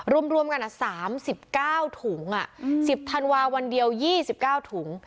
รวมรวมกันอ่ะสามสิบเก้าถุงอ่ะสิบธันวาคมวันเดียวยี่สิบเก้าถุง